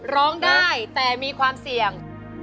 ร้องได้แต่มีความเสี่ยง